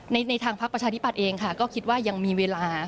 ในทางพักประชาธิปัตย์เองค่ะก็คิดว่ายังมีเวลา